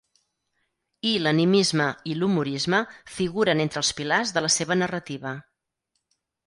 I l'animisme i l'humorisme figuren entre els pilars de la seva narrativa.